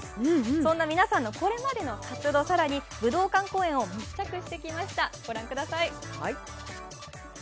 そんな皆さんのこれまでの活動更に武道館公演を密着してきました。